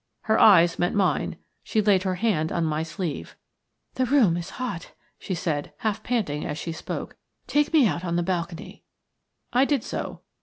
Her eyes met mine; she laid her hand on my sleeve. "The room is hot," she said, half panting as she spoke. "Take me out on the balcony." I did so.